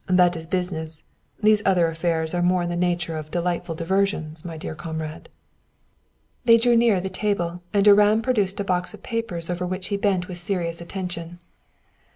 That is business. These other affairs are more in the nature of delightful diversions, my dear comrade." They drew nearer the table and Durand produced a box of papers over which he bent with serious attention.